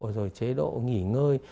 rồi chế độ nghỉ ngơi